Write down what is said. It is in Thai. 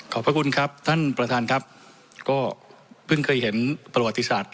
พระคุณครับท่านประธานครับก็เพิ่งเคยเห็นประวัติศาสตร์